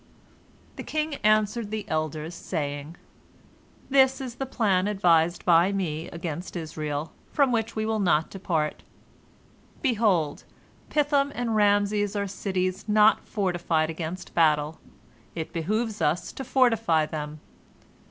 The king answered the elders, saying: "This is the plan advised by me against Israel, from which we will not depart. Behold, Pithom and Raamses are cities not fortified against battle. It behooves us to fortify them.